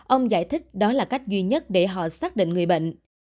ông giải thích đó là cách duy nhất để họ xác định người bệnh